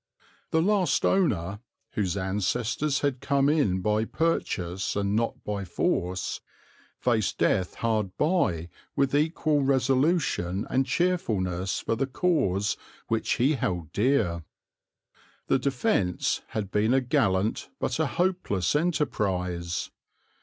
The last owner, whose ancestors had come in by purchase and not by force, faced death hard by with equal resolution and cheerfulness for the cause which he held dear. The defence had been a gallant but a hopeless enterprise.